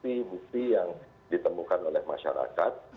justru adalah merupakan bukti bukti yang ditemukan oleh masyarakat